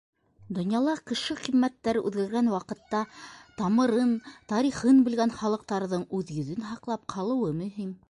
Донъяла кеше ҡиммәттәре үҙгәргән ваҡытта тамырын, тарихын белгән халыҡтарҙың үҙ йөҙөн һаҡлап ҡалыуы мөһим.